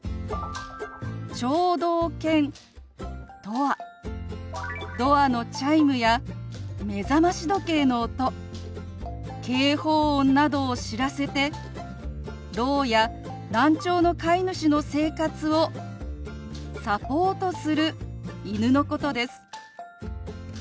「聴導犬」とはドアのチャイムや目覚まし時計の音警報音などを知らせてろうや難聴の飼い主の生活をサポートする犬のことです。